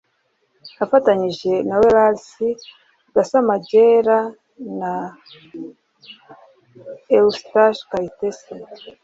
afatanije na Wellars Gasamagera na Eusta Kayitesi